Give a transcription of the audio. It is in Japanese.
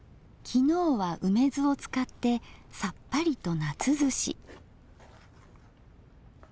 昨日は梅酢を使ってさっぱりと夏ずし。